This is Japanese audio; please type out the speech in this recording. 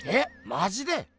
マジで？